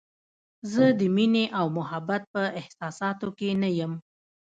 زه د مینې او محبت په احساساتو کې نه یم.